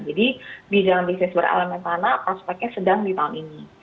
jadi bidang bisnis berelemen tanah prospeknya sedang di tahun ini